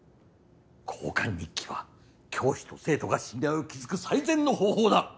交換日記は教師と生徒が信頼を築く最善の方法だ。